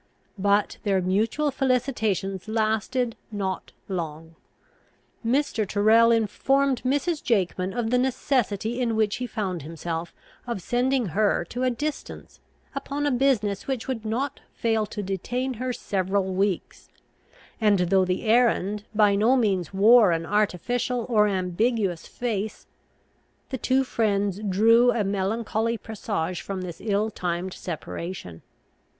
But their mutual felicitations lasted not long. Mr. Tyrrel informed Mrs. Jakeman of the necessity in which he found himself of sending her to a distance, upon a business which would not fail to detain her several weeks; and, though the errand by no means wore an artificial or ambiguous face, the two friends drew a melancholy presage from this ill timed separation.